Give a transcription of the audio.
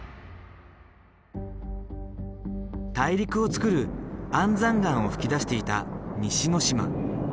大陸をつくる安山岩を噴き出していた西之島。